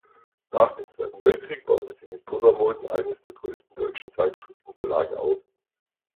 Nach dem Zweiten Weltkrieg baute sie mit "Burda-Moden" einen der größten deutschen Zeitschriftenverlage auf.